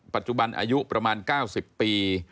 ปัจจุบันอายุประมาณ๙๐ปี